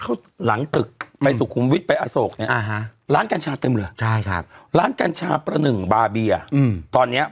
เข้าหลังตึกไปสุขุมวิทย์ไปอโศกเนี่ยร้านการชาเต็มเหลือร้านการชาประหนึ่งบาร์เบียตอนเนี่ย